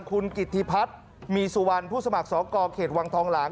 คุณกิติพัฒน์มีสุวรรณผู้สมัครสกเขตวังทองหลาง